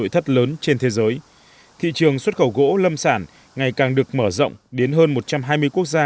nội thất lớn trên thế giới thị trường xuất khẩu gỗ lâm sản ngày càng được mở rộng đến hơn một trăm hai mươi quốc gia